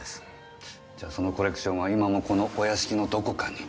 じゃそのコレクションは今もこのお屋敷のどこかに。